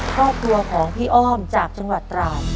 ครอบครัวของพี่อ้อมจากจังหวัดตราด